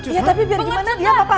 ya tapi biar gimana dia papa